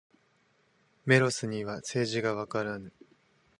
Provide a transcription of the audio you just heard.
メロスには政治がわからぬ。